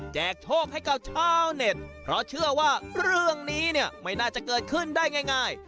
โชคให้กับชาวเน็ตเพราะเชื่อว่าเรื่องนี้เนี่ยไม่น่าจะเกิดขึ้นได้ง่าย